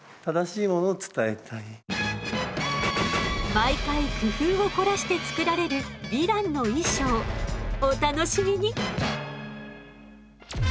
毎回工夫を凝らして作られるヴィランの衣装お楽しみに！